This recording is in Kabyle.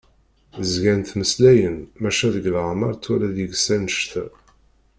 Zgan ttmeslayen maca deg leɛmer twala deg-s annect-a.